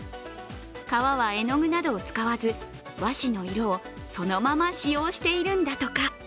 皮は絵の具などを使わず、和紙の色をそのまま使用しているだとか。